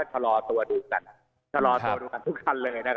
ไปชะลอตัวดูกันทุกคันเลย